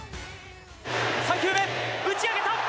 ３球目、打ち上げた。